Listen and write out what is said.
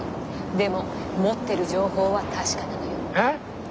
でも持ってる情報は確かなのよ。